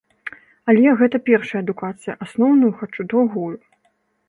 Але гэта першая адукацыя, асноўную хачу другую.